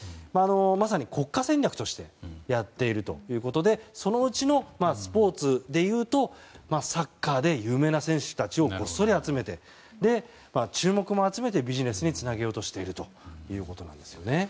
まさに国家戦略としてやっているということでそのうちのスポーツでいうとサッカーで有名な選手たちをごっそり集めて注目も集めてビジネスにつなげようとしているということですね。